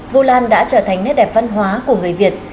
vu lan đã trở thành nét đẹp văn hóa của người việt